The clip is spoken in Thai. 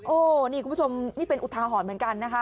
โอ้นี่คุณผู้ชมนี่เป็นอุทาหรณ์เหมือนกันนะคะ